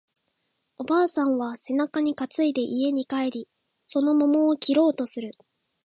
おばあさんは背中に担いで家に帰り、その桃を切ろうとする